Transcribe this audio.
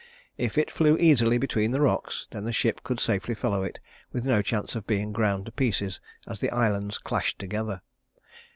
If it flew easily between the rocks, then the ship could safely follow it with no chance of being ground to pieces as the islands clashed together.